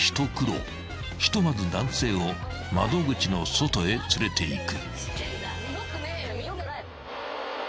［ひとまず男性を窓口の外へ連れていく］